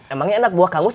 emangnya anak buah kangmus